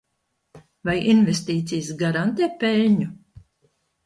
Vai investīcijas garantē peļņu?